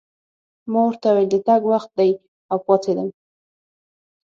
ما ورته وویل: د تګ وخت دی، او پاڅېدم.